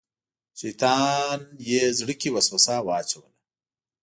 شیطان یې زړه کې وسوسه واچوله.